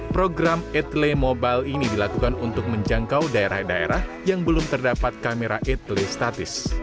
program etle mobile ini dilakukan untuk menjangkau daerah daerah yang belum terdapat kamera etle statis